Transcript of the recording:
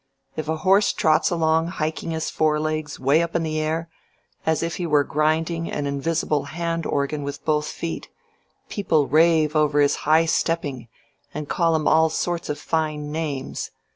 If a horse trots along hiking his fore legs 'way up in the air as if he were grinding an invisible hand organ with both feet, people rave over his high stepping and call him all sorts of fine names.